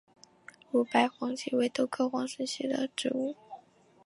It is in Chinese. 乳白黄耆为豆科黄芪属的植物。